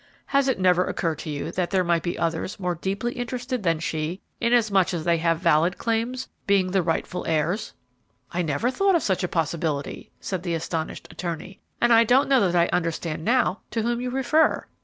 Has it never occurred to you that there might be others more deeply interested than she, inasmuch as they have valid claims, being the rightful heirs?" "I never thought of such a possibility," said the astonished attorney; "and I don't know that I understand now to whom you refer."